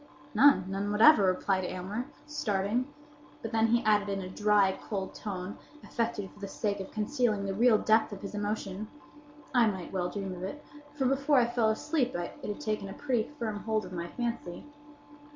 "None! none whatever!" replied Aylmer, starting; but then he added, in a dry, cold tone, affected for the sake of concealing the real depth of his emotion, "I might well dream of it; for before I fell asleep it had taken a pretty firm hold of my fancy."